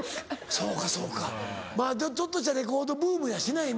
そうかそうかちょっとしたレコードブームやしな今。